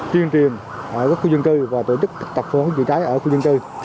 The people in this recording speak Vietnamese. tiên triển ở các khu dân cư và tổ chức tập phương chữa cháy ở khu dân cư